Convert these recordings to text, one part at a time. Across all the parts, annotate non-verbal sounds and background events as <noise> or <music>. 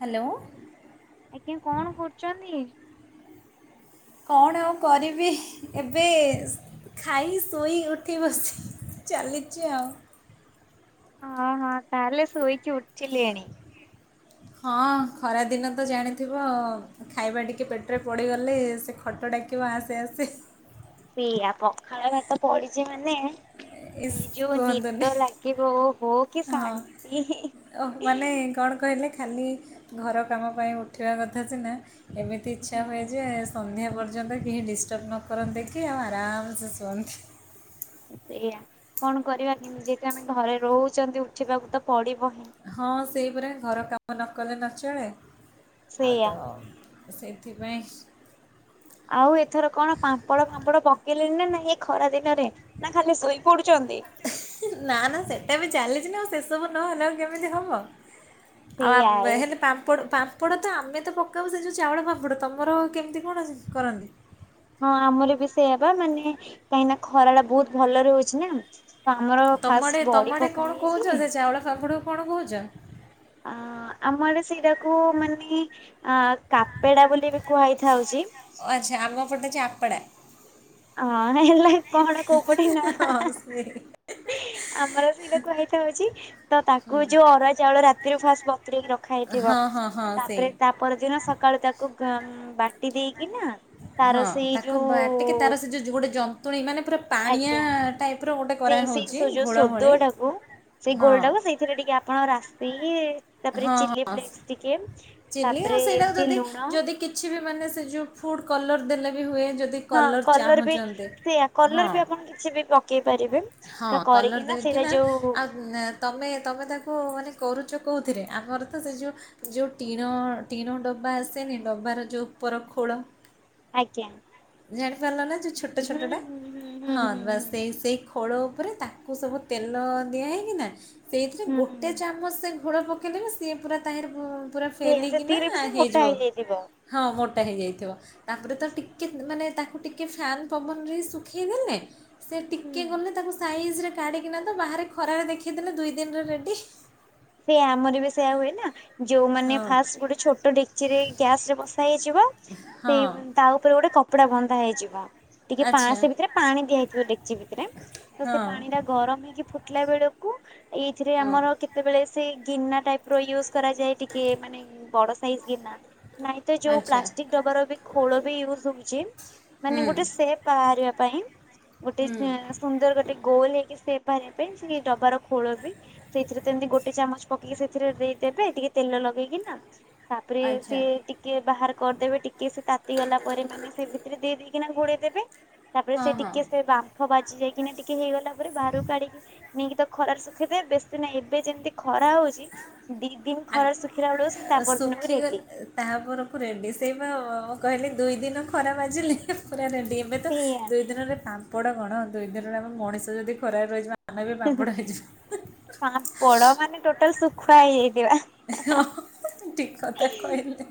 Hello. ଆଜ୍ଞା କଣ କରୁଛନ୍ତି। କଣ ଆଉ କରିବି ଏବେ ଖାଇ ଶୋଇ ଉଠି ବସି ଚାଲିଛି ଆଉ। ହଁ ହଁ ତାହେଲେ ସୋଇକି ଉଠିଲେଣି। ହଁ ଖରା ଦିନ ତ ଜାଣିଥିବ ଆ ଖାଇବା ଟିକିଏ ପେଟରେ ପଡ଼ିଗଲେ ସେ ଖଟ ଡାକିବ ଆସେ ଆସେ। ପିଇଆ ପଖାଳ ଭାତ ପଡିଛି ମାନେ ଇସ୍ ସି ଯୋଉ କୁହନ୍ତୁନି ନିଦ ଲାଗିବ ଓହୋ କି ଶାନ୍ତି। ଓ ମାନେ କଣ କହିଲେ ଖାଲି ଘର କାମ ପାଇଁ ଉଠିବା କଥା ସିନା ଏମିତି ଇଚ୍ଛା ହୁଁ ହୁଏ ଯେ ସନ୍ଧ୍ୟା ପର୍ଯ୍ୟନ୍ତ କେହି ଡିଷ୍ଟର୍ବ ନ କରନ୍ତି କି ଆଉ ଆରାମସେ ଶୁଅନ୍ତି। ସେଇଆ କଣ କରିବା କିନ୍ତୁ ଯେହେତୁ ଆମେ ଘରେ ରହୁଛନ୍ତି ଉଠିବାକୁ ତ ପଡିବ ହିଁ। ହଁ ସେଇପରି ଘର କାମ ନ କଲେ ନଚଳେ ଆଉ ସେଇଆ ତ ସେଇଥିପାଇଁ ଆଉ ଏଥର କଣ ପାମ୍ପଡ ଫାମ୍ପଡ ପକେଇଲେଣି ନା ନା ଏ ଖରା ଦିନରେ ନା ଖାଲି ଶୋଇ ପଡୁଛନ୍ତି। ନା ନା ସେଟା ବି ଚାଲିଛି ନା ଆଉ ସେସବୁ ନହେଲେ ଆଉ କେମିତି ହବ ଆଉ। ସେଇଆ ଆଉ ଏ ହେ ପାମ୍ପଡ଼ ପାମ୍ ପାମ୍ପଡ଼ ତ ଆମେ ତ ପକାଉ ସେ ଯେଉଁ ଚାଉଳ ପାମ୍ପଡ଼ ତମର କେମିତି କଣ ଅସି କରନ୍ତି? ହଁ ଆମର ବି ସେୟାପା ମାନେ କାହିଁକିନା ଖରାଟା ବହୁତ ଭଲରେ ହଉଛି ନା। ତ ଆମର ତମ ଆଡ଼େ ଫାଷ୍ଟ ତମ ବଡି ଆଡ଼େ ପକା କଣ କହୁଛ ହେଇଯାଇଛି। ସେ ଚାଉଳ ପାମ୍ପଡକୁ କଣ କହୁଛ? ଆ ଆମ ଆଡ଼େ ସେଇଟାକୁ ମାନେ ଆ କାପେଡ଼ା ବୋଲି ବି କୁହାଇଥାଉଛି। ଓ ଆଚ୍ଛା ଆମ ପଟେ ଯେ ଆପଡା। ହଁ ହେଲା କଣ କଉପଟେ ନାଁ। ହଁ ସେ ଆମର ସେଇଟା କୁହା ହେଇଥାଉଛି ତ ତାକୁ ଯୋଉ ଅରୁ ଚାଉଳ ରାତିରୁ ଫାଷ୍ଟ ବତରକି ରଖା ହେଇଥିବ ହଁ ହଁ ସେ ତାପରେ ତା ପରଦିନ ସକାଳୁ ତାକୁ ବାଟି ଦେଇକି ନା ତାର ହଁ ସେଇ ତାକୁ ବାଟିକି ଯୋଉ ତାର ସେ ଯୋଉ ଗୋଟେ ଯନ୍ତୁଣୀ ମାନେ ପୁରା ପାଣିଆ ଆଜ୍ଞା ଟାଇପ ର ଗୋଟେ ସେଇ କରାହେଉଛି ସେଇ ଯୋଉ ଘୋଳ ଭଳି ସଦୁଟାକୁ ସେଇ ହଁ ଗୋଲ ଟାକୁ ସେଇଥିରେ ଟିକେ ଆପଣ ରାଶି ତାପରେ ହଁ ଚିଲ୍ି ହଁ। ଫ୍ଲେକ୍ସ ଟିକେ ଚିଲି ଆଉ ତାପରେ ସେଇଟା ଏମିତି ଯଦି ଲୁଣ ଯଦି କିଛି ବି ମାନେ ସେ ଯୋଉ ଫୁଡ କଲର ଦେଲେ ବି ହୁଏ ଯଦି ହଁ କଲର୍ କଲର ବି ଚାହୁଁଛନ୍ତି ସେଇୟଆ କଲର ହଁ ବି ଆପଣ କିଛି ବି ପକେଇ ପାରିବେ ହଁ ତା କଲର୍ କରିକି ନା ସେଇଟା ଦେଇକିନା ଯୋଉ ଆଉ ତମେ ତୁମେ ତାକୁ ମାନେ କରୁଚ଼ କୋଡ଼ଥିରେ ଆମର ତ ସେ ଯେଉଁ ଯୋଉ ଟିଣ ଟିଣ ଡବା ଆସେନି ଡବାର ଯୋଉ ଉପର ଖୋଳ ଆଜ୍ଞା। ଜଣିପାରିଲ ନା ଯେ ଛୋଟା ହୁଁ ଛୋଟ ଟା ହୁଁ ହୁଁ ହୁଁ ହଁ ହୁଁ ବାସ ହୁଁ। ସେଇ ସେଇ ଖୋଳ ଉପରେ ତାକୁ ସବୁ ତେଲ ଦିଆ ହେଇକିନା ସେଇଥିରେ ହୁଁ ହୁଁ। ଗୋଟେ ଚା ମୋ ସେ ଘୋଳ ପକେଇଲେ ସିଏ ପୁରା ତା ପୁରା ସେଇଆ ଫେଲିକିନା ସେତିକିରେ ବି ସେ ମୋଟା ହେଇଯିବ। ହେଇଯାଇଥିବ। ହଁ ମୋଟା ହେଇଯାଇଥିବ ତାପରେ ତ ଟିକ୍ ମାନେ ତାକୁ ଟିକେ ଫ୍ୟାନ ପବନରେ ଶୁଖେଇ ଦେଲେ ସେ ହୁଁ। ଟିକେ ଗଲେ ତାକୁ ସାଇଜିରେ କାଢ଼ିକିନା ତ ବାହାରେ ଖରାରେ ଦେଖାଇଦେଲେ ଦୁଇ ଦିନରେ ରେଡ଼ି। ସେଇ ଆମର ବି ସେଇୟା ହୁଏ ନା ଯୋଉମାନେ ହଁ ଫାଷ୍ଟ ଗୋଟେ ଛୋଟ ଡେକି ଚିରେ ଗ୍ୟାସ ରେ ବସା ହେଇଯିବ ହଁ ସେଇ ତା ଉପରେ ଗୋଟେ କ କପଡା ବନ୍ଧା ହେଇଯିବ ଟିକେ ଆଚ୍ଛା ପାସ ଭିତରେପାଣି ଦିଆ ହେଇଥିବ ଡେକ୍ଚି ଭିତରେ ତ ହଁ ସେ ପାଣି ଟା ଗରମ ହେଇକି ଫୁଟିଲା ବେଳକୁ ଏଇଥିରେ ହଁ ଆମର କେ ସେତେବେଳେ ସେ ଗିନା ଟାଇପ ର ୟୁଜ କରାଯାଏ ଟିକେ ମାନେ ବଡ ସାଇଜ ଗିନା ନାଇଁ ତ ଯୋଉ ଆଚ୍ଛା ପ୍ଲାଷ୍ଟିକ ଡବାର ବି ଖୋଳ ବି ୟୁଜ ହଉଛି ମାନେ ହୁଁ ଗୋଟେ ସେପ୍ ବାହାରିବା ପାଇଁ ଗୋଟେ ହୁଁ ସୁନ୍ଦର ଗୋଟେ ଗୋଲ ହେଇକି ସେପ୍ ବାହାରିବା ପାଇଁ ସେ ଡବାାର ଖୋଳ ବି ସେଇଥିରେ ସେମିତି ଗୋଟେ ଚାମଚ ପକେଇକି ସେଥିରେ ଦେଇଦେବେ ଟିକେ ତେଲ ଲଗେଇକି ନା ତାପରେ ଆଚ୍ଛା ସିଏ ଟିକେ ବାହାର କରିଦେବେ ଟିକ୍ ଟିକେ ସେ ତାତିଗଲା ପରେ ମାନେ ସେ ଭିତରେ ଦେଇ ଦେଇକିନା ଘୋଡ଼େଇ ଦେବେ ତାପରେ ହଁ ସେ ହଁ ଟିକଏ ସେ ବାମ୍ ବାମ୍ପ ବାଜିି ଯାଇକିନା ଟିକେ ହେଇଗଲା ପରେ ବାହାରକୁ କାଢିକି ନେଇକି ତ ଖରାରେ ଶୁଖେଇଦବେ ବେଶୀ ନାହିଁ। ଏବେ ଯେମିତି ଖରା ହଉଚି ଦି ଦିନ ଖରାରେ ଶୁଖିଲା ବେଳକୁ ସେ ତା ପର ଦିନକୁ ରେଡି ତାପ ପରକ୍ତ ରେଡି ସେଇବା ମୁଁ କହିଲି ଦୁଇ ଦିନ ଖରା ମାଜିଲେ ପୁରା ରେଡି ହେବା। ଏ ତ ସେଇଆ ଦୁଇ ଦିନରେ ପାମ୍ପଡ଼ କଣ ଦୁଇ ଦିନରେ ଆମ ମଣିଷ ଯଦି ଖରାରେ ରହିଯିବା। ଆମେ ବି ପାମ୍ପଡ଼ ହେଇଯିବା। ପା ପୋଡ ମାନେ ଟୋଟାଲ ଶୁଖୁଆ ହେଇଯାଇଥିବା ହଁ ଠିକ୍ କଥା କହିଲେ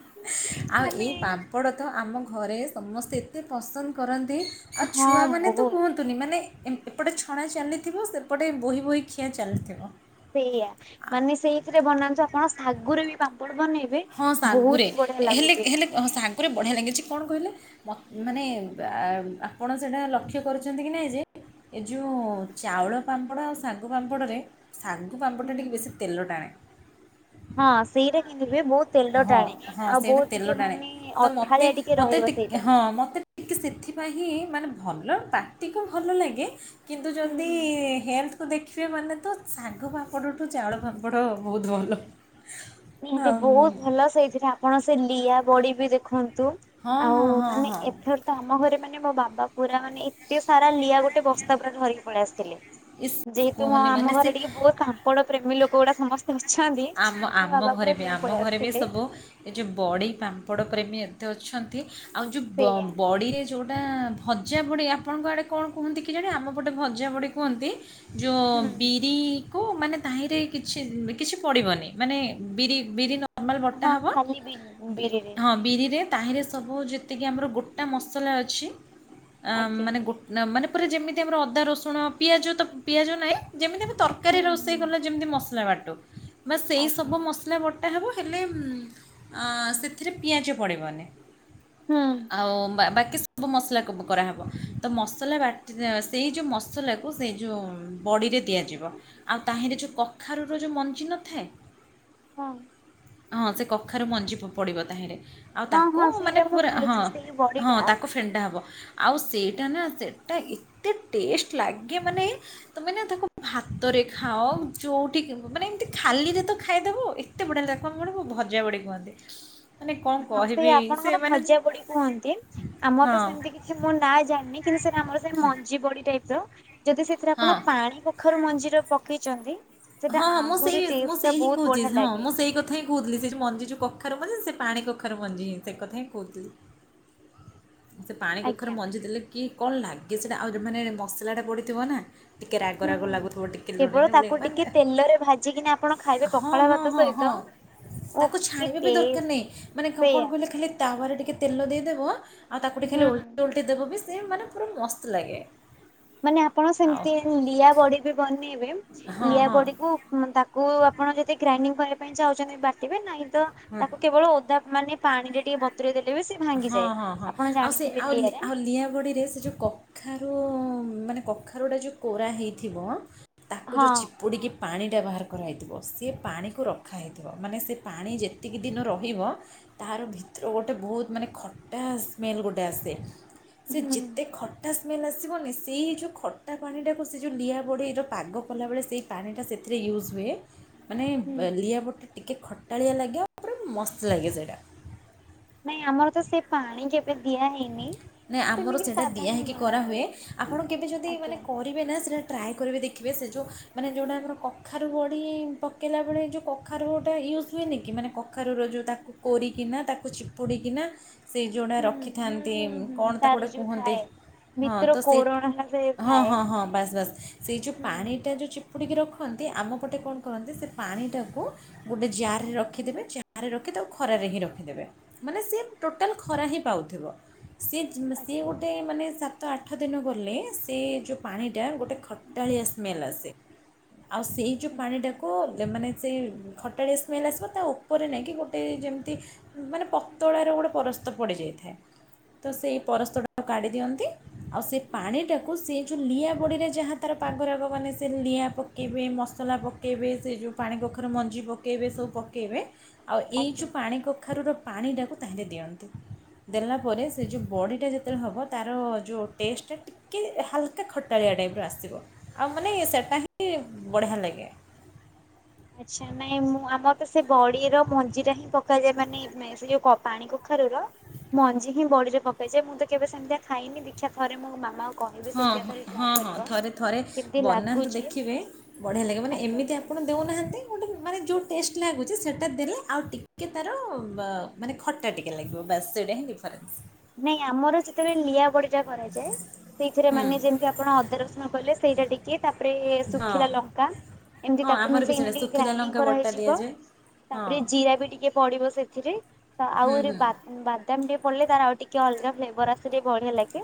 ଆଉ ଏଇ ମାନେ ପାମ୍ ଅପଡ଼ ତ ଆମ ଘରେ ସମସ୍ତେ ଏତେ ପସନ୍ଦ କରନ୍ତି ଆଉ ହଁ ଛୁଆମାନେ ତ ବହୁତ କୁହନ୍ତି ତୁନି ମାନେ ଏପଟେ ଛଣା ଚାଲିଥିବ ସେପଟେ ବୋହି ବୋହି ଖିଆ ଚାଲିଥିବ। ସେଇଆ ମାନେ ସେଇଥିରେ ବନାନ୍ତୁ ଆପଣ ଶାଗୁରେ ବି ପାମ୍ପଡ଼ ବନେଇବେ। ହଁ ବହୁତ ସାଙ୍ଗୁରେ ହି ବଢିଆ ହେଲେ ଲାଗୁଛି। ହେଲେ ସାଙ୍ଗୁରେ ବଢିଆ ଲାଗିଛି କଣ କହିଲେ। ମତେ ମାନେ ଆପଣ ସେଇଟା ଲକ୍ଷ୍ୟ କରୁଚ଼ନ୍ତି କି ନାାଇଁ ଯେ। ଏ ଯେଉଁ ଚାଉଳ ପାମ୍ପଡ଼ ଆଉ ଶାଗୁ ପାମ୍ପଡ଼ରେ ଶାଗୁ ପାମ୍ପଡ଼ଟା ଟିକିେ ବେଶୀ ତେଲ ଟାଣେ। ହଁ ସେଇଟା କି ନ ବେ ବହୁତ, କ ତେଲ ହଁ ଟାଣେ ହଁ ଆଉ ସେଇଟା ବହୁତ ତେଲ ଟିକେ ଟାଣେ ମାନେ ତ ମୋତେ ଅଠାରେିଆ ଟିକେ ମୋତେ ରହିବ ସେଇଟା। ହଁ ମତେ ଟିକେ ସେଥିପାଇଁ ହିଁ ମାନେ ଭଲ ପାକଟିକୁ ଭଲ ଲାଗେ। କିନ୍ତୁ ଯଦି ହେଲ୍। ତ ଦେଖିବେ ମାନେ ତ ଶାଗ ପାମ୍ପଡ଼ଠୁ ଚାଉଳ ପାମ୍ପଡ଼ ବହୁତ ଭଲ। ନିହାତି ହଁ ବହୁତ ଭଲ ସେଇଥିରେ ଆପଣ ସେ ଲିଆ ବଡି ବି ଦେଖନ୍ତୁ। ହଁ ହଁ ଆଉ ହଁ ମାନେ ହଁ ଏଥର ତ ଆମ ଘରେ ମାନେ ମୋ ବାବା ପୁରା ମାନେ ଟିକେ ସାରା ଲିଆ ଗୋଟେ ବସ୍ତା ପୁରା ଧରିକି ପଳେଇ ଆସିଥିଲେ ଇସ୍ ଯେହେତୁ ମ କୁହନି ମାନେ ଆମ ସେ ଘରେ ଟିକେ ଓ ପାମ୍ପଡ ପ୍ରେମୀ ଲୋକ ଗୁଡା ସମସ୍ତେ ଅଛନ୍ତି। ଆମ ମୋ ଆମ ବାବା ଘରେ ପୁରା ବି ନେଇ ଆମ ପଳେଇ ଘରେ ବି ଆସିଥିଲେ ସବୁ ଏ ଯୋଉ ବଡି ପାମ୍ପଡ ପ୍ରେମୀ ଏତେ ଅଛନ୍ତି ଆଉ ଯୋଉ ସେଇଆ। ବଡିରେ ଯୋଉ ଗଟା ଭଜା ବଡି ଆପଣଙ୍କ ଆଡେ କଣ କୁହନ୍ତି କି ଜାଣି ଆମପଟେ ଭଜା ଭଡି କୁହନ୍ତି। ଯୋଉ ହୁଁ ବିରି କୁ ମାନେ ତାହିଁରେ କିଛି କିଛି ପଡ଼ିବନି ମାନେ ବିରି ବିରି ନର୍ମାଲ ବଟା ହଁ ହବ ଖାଲି ବି ବିରିରେ ହିଁ ବିରିରେ ତାହିଁରେ ସବୁ ଯେତିକି ଆମର ଗୋଟା ମସଲା ଅଛି ଆଜ୍ଞା ମାନେ ଗୋଟେ ନା ମାନେ ପୁରା ଯେମିତି ଆମର ଅଦା ରସୁଣ ପିଆଜ ତ ପିଆଜ ନାହିଁ ଯେମିତି ଆମ ତରକାର ତରକାରୀ ହୁଁ ହୁଁ ରୋଷେଇ କଲା ଯେମିତି ମସଲା ବାଟ ବା ସେଇ ଆଜ୍ଞା ସବୁ ମସଲା ସଲା ବଟା ହେବ ହେଲେ ସେଥିରେ ପିଆଜ ପଡ଼ିବନି। ହୁଁ ଆଉ ବାକି ସବୁ ମସଲାକୁ କରାହେବ ତ ମସଲା ବାଟି ସେଇ ଯେଉଁ ମସଲା କୁ ସେଇ ଯେଉଁ ବଡ଼ିରେ ଦିଆଯିବ ଆଉ ତାହିରେ ଯେଉଁ କଖାରୁୁର ଯେଉଁ ମଞ୍ଜିିନ <inaudible> ହଁ ହଁ ସେ କଖାରୁ ମଞ୍ଜି ପଡିବ ତହିଁରେ ଆଉ ହଁ ତାକୁ ହଁ ମାନେ ସେଇଟା ମୁଁ ପୁରା ହଁ ଖାଇଛି ସେଇ ହଁ ବଡିଟା ତାକୁ ଫେଣ୍ଟା ହେବ। ଆଉ ସେଇଟା ନା ସେଇଟା ଏତେ ଟେଷ୍ଟ ଲାଗେ ମାନେ ତମେ ନା ତାକୁ ଭାତରେ ଖାଅ ଯୋଉଠି କି ମାନେ ଏମତି ଖାଲିରେ ତ ଖାଇଦେବ ଏତେ ବଢ଼ିଆ ଲାଗିବ ତାକୁ ଭଜା ବଢ଼ି କୁହନ୍ତି। ମାନେ କ'ଣ ହଁ ସେଇ କହିବି ସେ ଆପଣଙ୍କର ମାନେ ଭଜା ବଡି କୁହନ୍ତି ଆମର ହଁ ତ ସେମିତି କିଛି ମୁଁ ନାଁ ଜାଣିନି କିନ୍ତୁ ସେଟ ଆମର ସେ ମଞ୍ଜି ବଡି ଟାଇପ ର ଯଦି ସେଥିରେ ହଁ ଆପଣ ପାଣି ପାଖରୁ ମଞ୍ଜିର ପକେଇଛନ୍ତି ସେଟା ହଁ ହଁ ମୁଁ ଆହୁରି ସେଇ ମୁଁ ଟେଷ୍ଟ ଟା ସେଇ ହିଁ ବହୁତ କହୁଛି ବଢିଆ ହଁ ଲାଗେ ମୁଁ ସେଇ କଥା ହିଁ କହୁଥିଲି ସେ ମଞ୍ଜି ଯୋଉ କଖାରୁ ମଞ୍ଜି ସେ ପାଣି କଖାରୁ ମଞ୍ଜି ହଁ ସେ କଥା ହିଁ କହୁଥିଲି। <inaudible> ସେ ପାଣି କଖାରୁ ଆଜ୍ଞା ମଞ୍ଜି ଦେଲେ କି କଣ ଲାଗେ ସେଟା ଆଉ ମାନେ ମସଲାଟା ପଡ଼ିଥିବ ନା ଟିକେ ରାଗ ହୁଁ। ରାଗ ଲାଗୁଥିବ ଟିକେ ଲୁଣେ କେବଳ ତାକୁ ଟିକେ ମିଳେଇ ତେଲରେ ଭାଜିକି ଆପଣ ଖାଇ ହଁ ହଁ ହଁ ହଁ ଓଃ ତାକୁ କି ଛାଣିବା ବି ଦରକାର ଟେଷ୍ଟ ନାହିଁ ମାନେ କଣ ସେଇଆ କହିଲେ ଖାଲି ତାୱାରେ ଟିକେ ତେଲ ଦେଇଦବା ଆଉ ତାକୁ ଟିକେ ଖାଲି ହୁଁ। ଓଲଟି ଓଲଟି ଦେବ ବି ସେ ମାନେ ପୁରା ମସ୍ତ ଲାଗେ। ମାନେ ଆପଣ ଆଉ ସେମିତି ଲିଆ ବଡି ବି ବନେଇବେ ହଁ ଲିଆ ହଁ ବଡିକୁ ହଁ ତାକୁ ଆପଣ ଯଦି ଗ୍ରାଇଣ୍ଡିଙ୍ଗ କରିବା ପାଇଁ ଚାହୁଁଛନ୍ତି ବାଟିବେ ନାହିଁ ତ ତାକୁ କେବଳ ଓଦା ମାନେ ପାଣିରେ ଟିକେ ବତୁରେଇ ଦେଲେ ବି ସେ ହଁ ଭାଙ୍ଗିଯାଏ। ହଁ ହଁ ଆପଣ ଆଉ ସେ ଜାଣିଥିବେ ଆଉ ଲିଆରେ ଆଉ ଲିଆ ବଡିରେ ସେ ଯୋଉ କଖାରୁ ମାନେ କଖାରୁ ଗୋଟେ ଯୋଉ କୋରା ହେଇଥିବ ତାକୁ ହଁ ଯୋଉ ପୋଡ଼ିକି ପାଣିଟା ବାହାର କରାହୋଇଥିବ ସେ ପାଣିକୁ ରଖାହେଇଥିବ ମାନେ ସେ ପାଣି ଯେତିକି ଦିନ ରହିବ ତାର ଭିତରୁ ଗୋଟେ ବହୁତ ମାନେ ଖଟା ସ୍ମେଲ ଗୋଟେ ଆସେ ସେ ହୁଁ ଯେ ଏତେ ଖଟା ସ୍ମେଲ୍ ଆସିବନି ସେଇ ଯେଉଁ ଖଟା ପାଣିଟାକୁ ସେ ଯେଉଁ ଲିଆ ବୋଡ଼େଇର ପାଗ କଲାବେଳେ ସେଇ। ପଣିଟା ସେଥିରେ ୟୁଜ୍ ହୁଏ। ମାନେ ହୁଁ। ଲିଆପଟା ଟିକେ ଖଟାଳିଆ ଲାଗେ ଆଉ ପୁରା ମସ୍ତ ଲାଗେ ସେଇଟା। ନାଇଁ ଆମର ତ ସେ ପାଣି କେ ସେ ଦଆହେଇ ନା ଆମର ସେଇଟା ଦିଆ ହେଇକି ବନା କରାହୁୁଏ ହୁଏ। ଆପଣ କେବେ ଯଦି ମାନେ? ଆଜ୍ଞା। କରିବେ ନା ସେଇଟା ଟ୍ରାଏ କରିବେ ଦେଖିବେ ସେ ଯେଉଁ ମାନେ ଯେଉଁଟା ଆମର କଖାରୁ ବଢ଼ି ପକେଇଲା ବେଳେ ଯେଉଁ କଖାରୁ ଗୋଟା ୟୁଜ୍ ହୁଏନି କି ମାନେ କଖାରୁର ଯେଉଁ ତା କୋରିକିନା ତାକୁ ଚିପୁଡ଼ିକିନା ସେ ଯୋଉଢା ହୁଁ ରଖି ହୁଁ ଥାନ୍ତି ହୁଁ ହୁଁ। କଣ ତା ତାର ଗୋଟେ ଯୋଉ କୁହନ୍ତି ଥାଏ ହଁ ଭିତର ତ ସେଇ କୋରଣଟା ସେ ହଁ ଥାଏ। ହଁ ହଁ ବାସ୍ ବାସ୍ ସେଇ ଯୋଉ ହୁଁ ପାଣି ଏଇଟା ଯେଉଁ ଚିପୁଡ଼ିକି ରଖନ୍ତି ଆମ ପଟେ କଣ କରନ୍ତି ସେ ପାଣିଟାକୁ ଗୋଟେ ଜାରରେ ରଖିଦେବେ ଜାରରେ ରଖି ତାକୁ ଖରାରେ ହିଁ ରଖିଦେବେ। ମାନେ ସିଏ ଟୋଟାଲ ଖରା ହିଁ ପାଉଥିବ ସେ ସିଏ ଆଚ୍ଛା ଗୋଟେ ମାନେ ସାତ ଆଠ ଦିନ ଗଲେ ସେ ଯୋଉ ପାଣିଟା ଗୋଟେ ଖଟାଳିଆ ସ୍ମେଲ ଆସେ ଆଉ ସେଇ ଯୋଉ ଆଚ୍ଛା ପାଣିଟାକୁ ମାନେ ସେ ଖଟାଳିଆ ସ୍ମେଲ୍ ଆସିବ ତା ଉପରେ ନେଇକି ଗୋଟେ ଯେମିତି ମାନେ ପତଳାର ଗୋଟେ ପରସ୍ତ ପଡ଼ିଯାଇଥାଏ। ତ ସେଇ ପରସ୍ତରଟାକୁ କାଢି ଦିଅନ୍ତି। ଆଉ ସେ ପାଣି ଟାକୁ ସେ ଯୋଉ ଲିଆ ବଡିରେ ଯାହା ତାର ପାଗରଗ ମାନେ ସେ ଲିଆଁ ପକାଇବେ ମସଲା ପକାଇବେ ସେ ଯେଉଁ ପାଣି କଖର ମଞ୍ଜି ପକବେ ସବୁ ପକାଇବେ ଆଉ ଏଇ ଆଜ୍ଞା। ଯେଉଁ ପାଣି କଖାରୁୁର ପାଣିଟାକୁ ତାହୋଲେ ଦିଅନ୍ତି। ଦେଲା ପରେ ସେ ଯେଉଁ ବଡ଼ିଟା ଯେତେବେଳେ ହେବ ତାର ଯେଉଁ ଟେଷ୍ଟଟା କି ହାଲକା ଖଟାଳିଆ ଟାଇପ୍ର ଆସିବ ଆଉ ମାନେ ସେଇଟା ହିଁ ବଢ଼ିଆ ଲାଗେ। ଆଚ୍ଛା ନାଇଁ ମୁଁ ଆମର ତ ସେ ବଡିର ମଞ୍ଜି ଟା ହିଁ ପକାଯାଏ। ମାନେ ସେ ଯୋଉ ପାଣି କୁଖାରୁର ମଞ୍ଜି ହିଁ ବଡିରେ ପକେଇଯାଏ ମୁଁ ତ କେବେ ସେମିତି ଖାଇନି ଦୀକ୍ଷା ଥରେ ମୋ ମାମା ହଁ ହଁ ହଁ ହଁ ଥରେ ଥରେ କେମିତି ବନାନ୍ତୁ ଲାଗୁଛି ଦେଖିବେ ବଢ଼ିଆ ଲାଗିବ। ମାନେ ଆଜ୍ଞା ଏମିତି ଆପଣ ଦେଉନାହାନ୍ତି ଗୋଟେ ମାନେ ଯେଉଁ ଟେଷ୍ଟ ଲାଗୁଛି, ସେଇଟା ଦେଲେ ଆଉ ଟିକେ ତାର ମାନେ ଖଟା ଟିକେ ଲାଗିବ ବାସ୍ ସେଇଟା ହିଁ ଡିଫରେନ୍ସ। ନାଇଁ ଆମର ସେତେବେଳେ ଲିଆବଡି ପୂଜା କରାଯାଏ। ସେଇଥିରେ ହୁଁ ମାନେ ଯେମିତି ଆପଣ ଅଦା ରସୁଣ କଲେେ ସେଇଟା ଟିକେ ତାପରେ ହଁ ଶୁଖିଲା ଲଙ୍କା କା ଏମତି ହଁ ତାକୁ ଆମର ବି ମିଶେଇ ସେଇଟା ମାଢି ଶୁଖିଲା ଗ୍ରାଇଣ୍ଡିଙ୍ଗ ଲଙ୍କା ବଟା କରାହେଇଯିବ। ଦିଆଯାଏ ହଁ ତାପରେ ଜିରା ବି ଟିକେ ପଡିବ ସେଥିରେ ତ ହୁଁ ଆହୁରି ହୁଁ ବା ବାଦାମ ଟିକେ ପଡିଲେ ତାର ଆଉ ଟିକେ ଅଲଗା ଫ୍ଲେଭର ଆସେ ଟିକେ ବଢିଆ ଲାଗେ।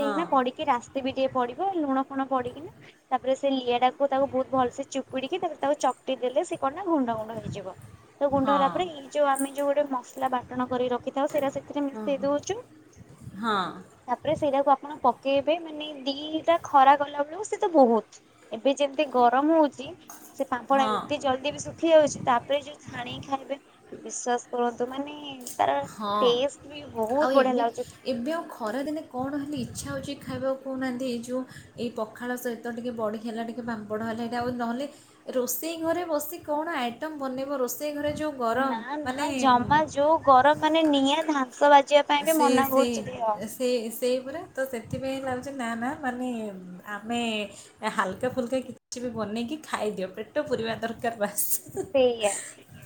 ହଁ ପଡିକି ରାସ୍ ତେ ବି ଟିକେ ପଡିବ ଲୁଣ ଫୁଣ ପଡିକିନା ତାପରେ ସେ ଲିଆ ଟାକୁ ତାକୁ ବହୁତ ଭଲସେ ଚୁପୁଡିକି ତାପରେ ତାକୁ ଚକଟି ଦେଲେ ସେ କ ଗୁଣ୍ଡ ହୁଏ। ହେଇଯିବ ତ ହଁ ଗୁଣ୍ଡ ହେଲା ପରେଇ ଯୋଉ ଆମେ ଯୋଉ ଗୋଟେ ମସଲା ବାଟଣ କରି ରଖିଥାଉ ସେଇଟା ସେଥିରେ ହଁ ଦେଇ ଦୋଉଛୁ। ହଁ ତାପରେ ସେଇଟାକୁ ଆପଣ ପକେଇବେ ମାନେ ଦିଟା ଖରା ଗଲା ବେଳକୁ ସେ ତ ବହୁତ୍ ଏବେ ଯେମତି ଗରମ ହଉଛି ସେ ପାମ୍ପଡା ହଁ ଏତେ ଜଲଦି ବି ସି ହେଉଛି ତାପରେ ଯୋଉ ଛାଣିିକୀ ଖାଇବେ ବିଶ୍ୱାସ କରନ୍ତୁ ମାନେ ତାର ହଁ ଟେଷ୍ଟ ବି ବହୁତ ଆଉ ବଢିଆ ଏମିତି ଲାଗୁଛି। ଏବେ ଆଉ ଖରାଦିନେ କଣ ହେଲେ ଇଚ୍ଛା ହେଉଛି ଖାଇବାକୁ କଉନାହାଁନ୍ତି। ଏଇ ଯେଉଁ ଏଇ ପଖାଳ ସହି ତ ଟିକିେ ବଡା ହେଲା ଟିକେ ପାମ୍ପଡ଼ ହେଲା ହେଇଟା ଆଉ ନହେଲେ ରୋଷେଇ ଘରେ ବସି କଣ ଆଇଟମ ବନେଇବ ରୋଷେଇ ଘରେ ଯୋଉ ନା ନା ଜମା ଯୋଉ ଗରମ ମାନେ ନିଆଁ ଧାସ ବାଜିବା ପାଇଁ ବି ସେ ମନା ସେ କରୁଛି। ଦେହ ସେ ସେଇ ପୁରା ତ ସେଥିପାଇଁଁ ଲାଗୁଛି ନା ନା ମାନେ ଆମେ ସେ ହାଲକା ଫୁଲକା କିଛି ବି ବନେଇକି ଖାଇଦିଅ ପେଟ ପୁୁରିବା ଦରକାର ବାସ୍। ସେ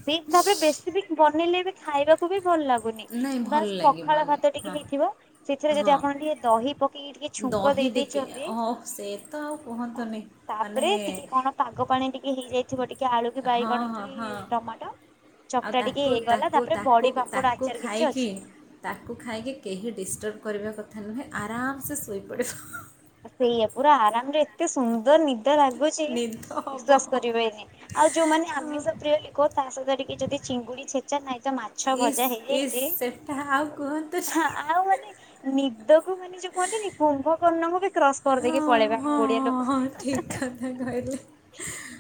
ଠିକ ତାପରେ ବେଶୀ ବି ବନେଇଲେ ଏବେ ଖାଇବାକୁ ବି ଭଲ ଲାଗୁନି। ନାଇଁ ବା ଭଲ ପଖାଳ ଲାଗିବନି ଭାତ ଟିକେ ହଁ ହେଇଥିବ ସେଥିରେ ଯଦି ହଁ ଆପଣ ଟିକେ ଦହି ପକେଇକି ଟିକେ ଛୁଙ୍କ ଦହି ଦେଇ ଟିକେ ଦେଇେଇଛନ୍ତି ଓ ସେ ତ ଆଉ ଅ କୁହନ୍ତୁନି ମାନେ ତାପରେ ଟିକେ କଣ ପାଗ ପାଣି ଟିକେ ହେଇଯାଇଥିବ ଟିକେ ଆଳୁ କି ହଁ ବାଇଗଣ ହଁ କି ହଁ ଟମାଟୋ। ଆଉ ଚକଟା ଟିକେ ତାକୁ ହେଇଗଲା ତାକୁ ତାପରେ ତାକୁ ବଡି ପାମ୍ପଡ ତାକୁ ଆଚାର କିଛି ଖାଇକି ଅଛି। ତାକୁ ଖାଇକି କେହି ଡିଷ୍ଟର୍ବ କରିବା କଥା ନୁହେଁ ଆରାମସେ ଶୋଇପଡ଼ିବ। ସେଇଆ ପୁରା ଆରାମ ରେ ଏତେ ସୁନ୍ଦର ନି ନିଦ ଲାଗୁଛି ନିଦ ହବ ବିଶ୍ଵାସ କରିବେନି ଆଉ ଯୋଉମାନେ ଆମିଷ ପ୍ରିୟ ଲୋକ ତା ସହିତ ଟିକେ ଯଦି ଚିଙ୍ଗୁଡି ଛେଚା ସହିତ ମାଛ ଇସ୍ ଭଜା ଇସ୍ ହେଇଯାଇଛି ସେଟା ଆଉ ହଁ କୁହନ୍ତୁନି ଆଉ ମାନେ ନିଦକୁ ମାନେ ଯୋଉ କୁହନ୍ତିନି କୁମ୍ଭକର୍ଣ୍ଣଙ୍କୁ ବି କ୍ରସ୍ କରିଦେଇକୀ ହଁ ପଳେଇବା ଆମ ହଁ ଓଡିଆ ହଁ ଲୋକ ହଁ ଠିକ୍ କଥା କହିଲେ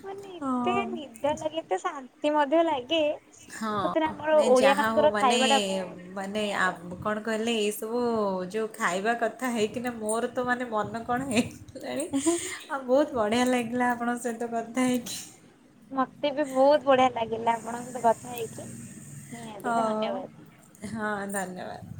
ମାନେ ଏତେ ହଁ ନିଦ ତ ଲାଗେ ତ ଶାନ୍ତି ମଧ୍ୟ ଲାଗେ। ହଁ ସତରେ ଆମର ନାଇଁ ଓଡିଆ ଯାହା ହଉ ମାନଙ୍କର ମାନେ ଖାଇବା ଟା ବହୁତ ମାନେ ନିଆରା। ଆମ୍ କଣ କଲେ ଏଇ ସବୁ ଯୋଉ ଖାଇବା କଥା ହେଇଥିନେ ମୋର ତ ମାନେ ମନ କଣ ହେଇ ଗଲାଣି ଆଉ ବହୁତ ବଢ଼ିଆ ଲାଗିଲା ଆପଣଙ୍କ ସହିତ କଥା ହେଇକି। ମତେ ବି ବୋହୁତ୍ ବଢିଆ ଲାଗିଲା ଆପଣଙ୍କ ସହିତ କଥା ହେଇକି। ନିହାତି ଧନ୍ୟବାଦ। ହଁ ହଁ ଧନ୍ୟବାଦ୍।